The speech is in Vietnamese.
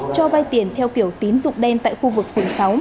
cho vay tiền theo kiểu tín dụng đen tại khu vực phường sáu